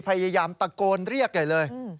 พยายามตะโกนเรียกใหญ่เลย